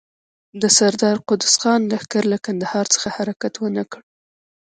د سردار قدوس خان لښکر له کندهار څخه حرکت ونه کړ.